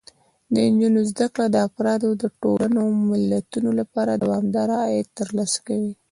د نجونو زده کړه د افرادو، ټولنو او ملتونو لپاره دوامداره عاید ترلاسه کوي.